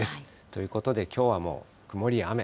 ということで、きょうはもう曇りや雨。